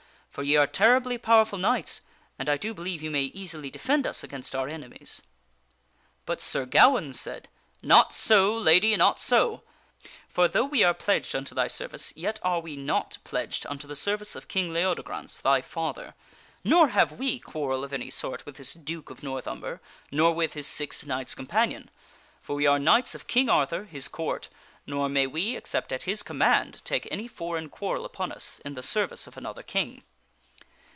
For ye are terribly powerful knights, and I do believe you may easily defend us against our enemies." But Sir Gawaine said, " Not so, Lady ; not so ! For though we are pledged unto thy service, yet are we not pledged unto the service of King Leodegrance, thy father. Nor have we quarrel of any sort with this Duke of North Umber, nor with his six knights companion. For we are knights of King Arthur, his Court, nor may we, except at his command, . take any foreign quarrel upon us in the service of another king."